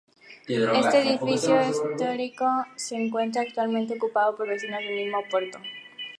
Este edificio histórico, se encuentra actualmente ocupado por vecinos del mismo puerto.